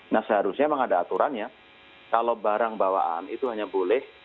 nah seharusnya memang ada aturannya kalau barang bawaan itu hanya boleh